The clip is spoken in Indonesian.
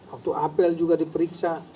atau apel juga diperiksa